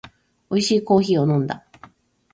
おいしいコーヒーを飲んだ